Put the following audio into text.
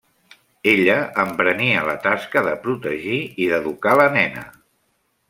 Ella emprenia la tasca de protegir i d’educar la nena.